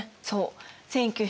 そう。